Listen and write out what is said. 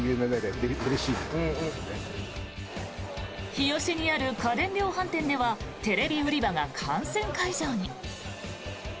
日吉にある家電量販店ではテレビ売り場が観戦会場に。